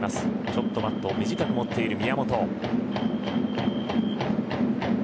ちょっとバットを短く持っている宮本。